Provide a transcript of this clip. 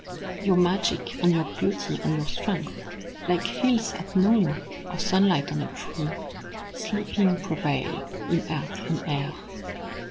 ... Your magic and your beauty and your strength, Like hills at noon or sunlight on a tree, Sleeping prevail in earth and air.